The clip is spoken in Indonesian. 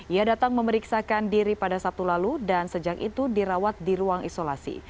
ia datang memeriksakan diri pada sabtu lalu dan sejak itu dirawat di ruang isolasi